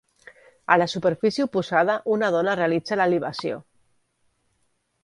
A la superfície oposada una dona realitza la libació.